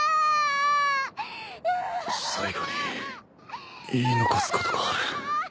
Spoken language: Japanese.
最後に言い残すことがある。